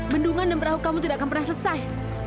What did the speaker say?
bendungan dan perahu kamu tidak akan pernah selesai